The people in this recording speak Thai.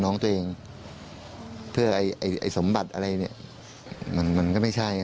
น้องตัวเองเพื่อไอ้สมบัติอะไรเนี่ยมันมันก็ไม่ใช่